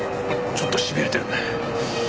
ちょっとしびれてる。